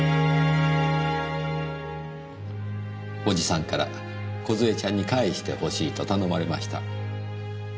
おじさんから梢ちゃんに返してほしいと頼まれました。